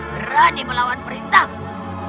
berani melawan perintahku